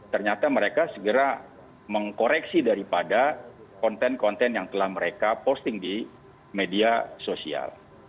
ternyata mereka segera mengkoreksi daripada konten konten yang telah mereka posting di media sosial